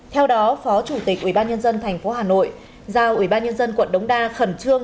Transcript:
theo đó phó chủ tịch ubnd tp hà nội giao ubnd quận đống đa khẩn trương